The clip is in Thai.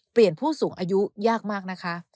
เปลี่ยนผู้สูงอายุยากมากนะคะ